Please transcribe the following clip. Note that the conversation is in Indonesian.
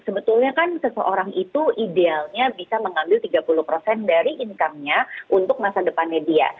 sebetulnya kan seseorang itu idealnya bisa mengambil tiga puluh dari income nya untuk masa depannya dia